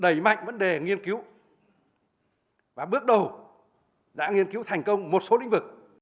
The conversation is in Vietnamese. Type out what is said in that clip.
đẩy mạnh vấn đề nghiên cứu và bước đầu đã nghiên cứu thành công một số lĩnh vực